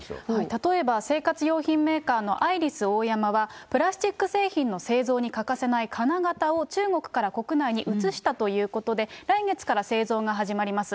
例えば生活用品メーカーのアイリスオーヤマはプラスチック製品の製造に欠かせない金型を中国から国内に移したということで、来月から製造が始まります。